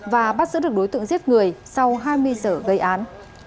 và bắt giữ được đối tượng giết người sau hai mươi giờ gây án